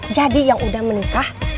jadi yang udah menikah